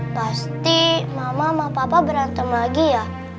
pasti mama sama papa berantem lagi ya